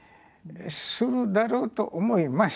するだろうと思います。